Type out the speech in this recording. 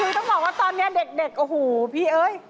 คือต้องบอกว่าตอนนี้เด็กโอ้โหพี่เอ้ย